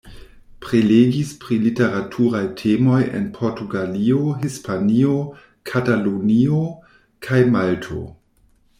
Prelegis pri literaturaj temoj en Portugalio, Hispanio, Katalunio kaj Malto.